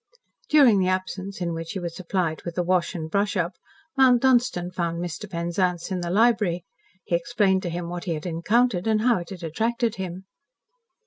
During the absence in which he was supplied with the "wash and brush up," Mount Dunstan found Mr. Penzance in the library. He explained to him what he had encountered, and how it had attracted him.